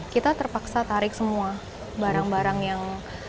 kita terpaksa tarik semua barang barang yang